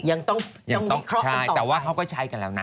ยังต้องวิเคราะห์ต่อไปใช่แต่ว่าเค้าก็ใช้กันแล้วนะ